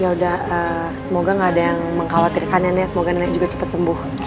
ya udah semoga gak ada yang mengkhawatirkan nenek semoga nenek juga cepat sembuh